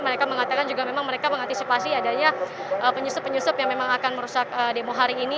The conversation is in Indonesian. mereka mengatakan juga memang mereka mengantisipasi adanya penyusup penyusup yang memang akan merusak demo hari ini